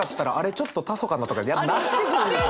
ちょっと足そうかなとかなってくるんですよ！